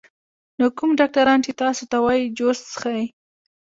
نو کوم ډاکټران چې تاسو ته وائي جوس څښئ